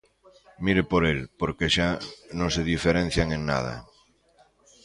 Mire por el, porque xa non se diferencian en nada.